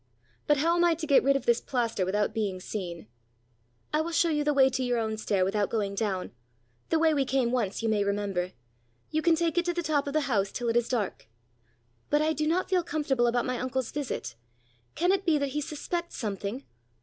But how am I to get rid of this plaster without being seen?" "I will show you the way to your own stair without going down the way we came once, you may remember. You can take it to the top of the house till it is dark. But I do not feel comfortable about my uncle's visit. Can it be that he suspects something?